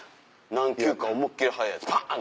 何球か思いっ切り速いやつパン！